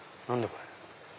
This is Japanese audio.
これ。